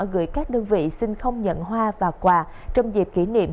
gửi các đơn vị xin không nhận hoa và quà trong dịp kỷ niệm